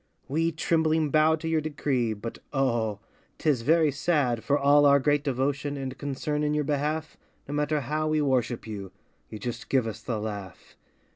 We trembling bow to your decree, But oh ! 'Tis very sad For all our great devotion And concern in your behalf, No matter how we worship you, You just give us the laugh.